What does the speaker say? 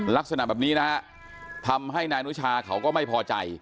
ลักษณะแบบนี้นะฮะทำให้นายอนุชาเขาก็ไม่พอใจ